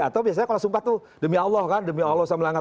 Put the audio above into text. atau biasanya kalau sumpah tuh demi allah kan demi allah s w t